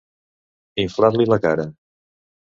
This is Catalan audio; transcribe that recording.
Inflar-li la cara.